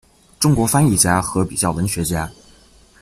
中国翻译家和比较文学家。